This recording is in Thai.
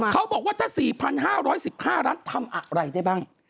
เขาบอกว่าถ้า๔๕๑๕ล้านทำอะไรได้บ้าง